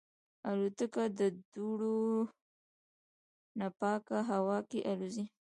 الوتکه د دوړو نه پاکه هوا کې الوزي.